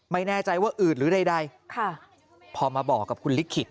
ไม่แน่ใจว่าอืดหรือใดค่ะพอมาบอกกับคุณลิขิต